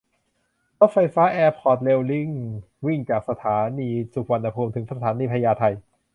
รถไฟฟ้าแอร์พอร์ตเรลลิงก์วิ่งจากสถานีสุวรรณภูมิถึงสถานีพญาไท